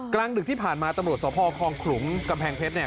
กลางดึกที่ผ่านมาตำรวจสอบพ่อคลองขลุงกำแพงเพชร